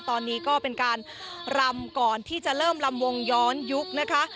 ตอนนี้ก็เป็นการรำก่อนที่จะเริ่มลำวงย้อนยุคนะคะ